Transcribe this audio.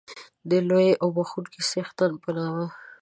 د لوی او بخښونکی څښتن په نامه